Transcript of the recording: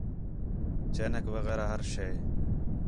چینک وغیرہ ہر شے